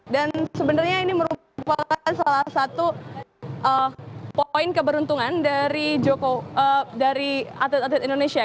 dan sebenarnya ini merupakan salah satu poin keberuntungan dari atlet atlet indonesia